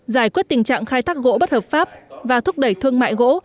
giải quyết tình trạng khai thác gỗ bất hợp pháp và thúc đẩy thương mại gỗ